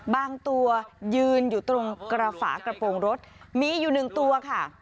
บางตัวยืนอยู่ตรงกระฝากระโปรงรถมีอยู่หนึ่งตัวค่ะ